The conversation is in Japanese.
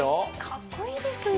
かっこいいですね。